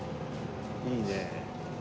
いいね。